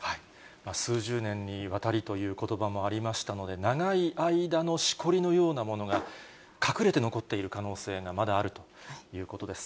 数十年にわたりということばもありましたので、長い間のしこりのようなものが、隠れて残っている可能性がまだあるということです。